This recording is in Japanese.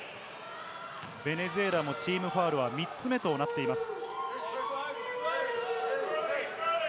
ベネズエラもチームファウルは３つ目となっています。